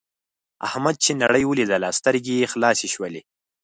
احمد چې نړۍ ولیدله سترګې یې خلاصې شولې.